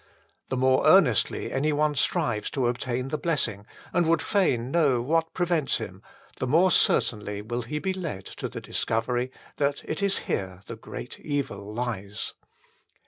The more earnestly anyone strives to obtain the blessing and would fain know what prevents him, the more certainly will he be led to the discovery that it is here the great evil lies.